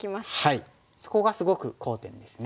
はいそこがすごく好点ですね。